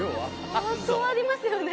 相当ありますよね